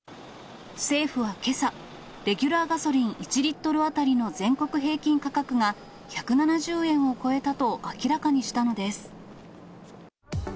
政府はけさ、レギュラーガソリン１リットル当たりの全国平均価格が、１７０円を超えたと明らかにしたのです。